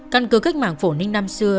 căn cứ cách mảng phổ ninh năm xưa